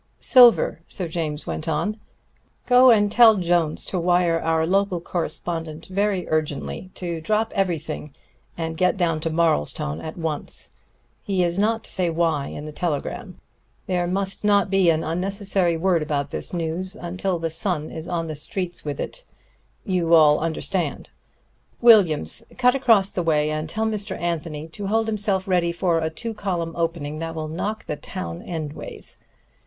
"Silver," Sir James went on, "go and tell Jones to wire our local correspondent very urgently, to drop everything and get down to Marlstone at once. He is not to say why in the telegram. There must not be an unnecessary word about this news until the Sun is on the streets with it you all understand. Williams, cut across the way and tell Mr. Anthony to hold himself ready for a two column opening that will knock the town endways.